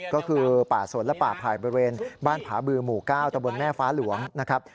ก็คือป่าสนและป่าไผ่บริเวณบ้านผาบือหมู่๙ตะบนแม่ฟ้าหลวงนะครับ